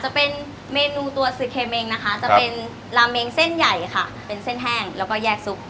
จะเป็นเมนูตัวซีเคเมงนะคะจะเป็นราเมงเส้นใหญ่ค่ะเป็นเส้นแห้งแล้วก็แยกซุป